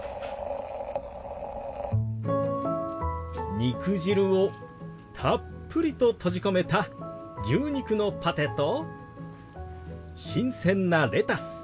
肉汁をたっぷりと閉じ込めた牛肉のパテと新鮮なレタス。